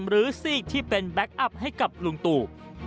ซีกที่เป็นแบ็คอัพให้กับลุงตู่